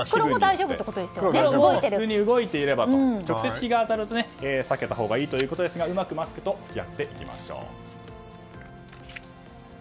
直接日が当たると避けたほうがいいということですがうまくマスクと付き合っていきましょう。